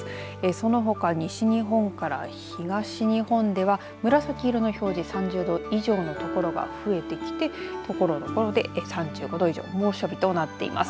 そのほか西日本から東日本では紫色の表示３０度以上のところが増えてきてところどころで３５度以上猛暑日となっています。